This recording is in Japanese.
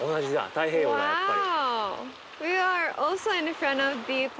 太平洋だやっぱり。